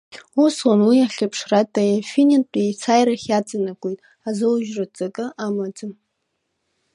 Усҟан уи ахьыԥшратә аинфиниттә еицааирахь иаҵанакуеит, азоужьратә ҵакы амаӡам.